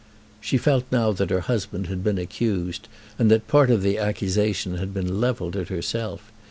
She felt now that her husband had been accused, and that part of the accusation had been levelled at herself.